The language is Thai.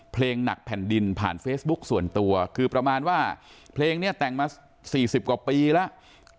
เพลงหนักแผ่นดินผ่านเฟซบุ๊คส่วนตัวคือประมาณว่าเพลงนี้แต่งมา๔๐กว่าปีแล้ว